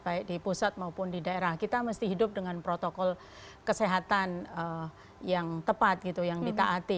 baik di pusat maupun di daerah kita mesti hidup dengan protokol kesehatan yang tepat gitu yang ditaati